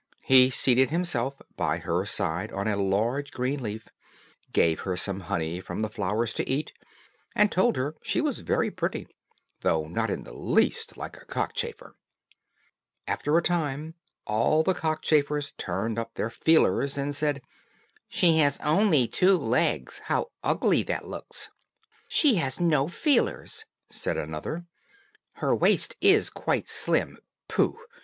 He seated himself by her side on a large green leaf, gave her some honey from the flowers to eat, and told her she was very pretty, though not in the least like a cockchafer. After a time, all the cockchafers turned up their feelers, and said, "She has only two legs! how ugly that looks." "She has no feelers," said another. "Her waist is quite slim. Pooh!